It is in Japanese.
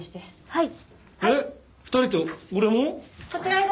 はい。